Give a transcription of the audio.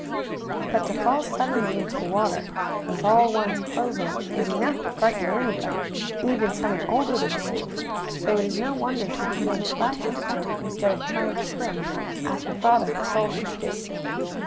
But to fall suddenly into the water, with all one's clothes on, is enough to frighten anybody, even someone older than Sue; so it is no wonder she began splashing about, instead of trying to swim, as her father had told her to do.